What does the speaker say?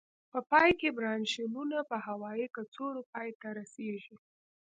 په پای کې برانشیولونه په هوایي کڅوړو پای ته رسيږي.